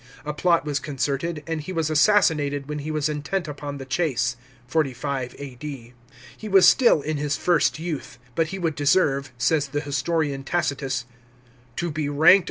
A plot was con certed, and he was assassinated when he was intent upon the chase (45 A.D.). He was still in his first youth ; but he would deserve, says the historian Tacitus, " to be ranked amon?